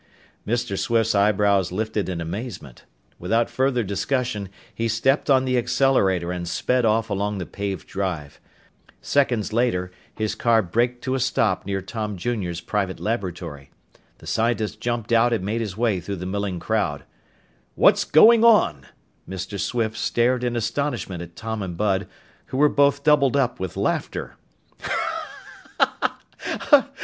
Mr. Swift's eyebrows lifted in amazement. Without further discussion, he stepped on the accelerator and sped off along the paved drive. Seconds later, his car braked to a stop near Tom Jr.'s private laboratory. The scientist jumped out and made his way through the milling crowd. "What's going on?" Mr. Swift stared in astonishment at Tom and Bud, who were both doubled up with laughter.